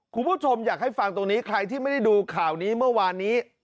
คุณผู้ชมอยากให้ฟังตรงนี้ใครที่ไม่ได้ดูข่าวนี้เมื่อวานนี้